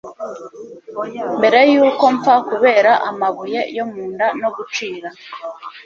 mbere yuko mpfa kubera amabuye yo munda no gucira